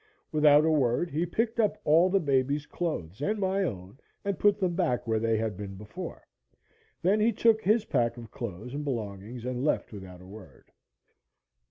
Without a word, he picked up all the baby's clothes and my own and put them back where they had been before. Then he took his pack of clothes and belongings and left without a word.